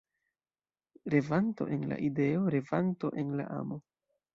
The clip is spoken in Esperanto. Revanto en la ideo, revanto en la amo.